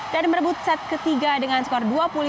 dan merebut set ketiga dengan skor dua puluh lima dua puluh dua